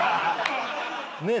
ねえ？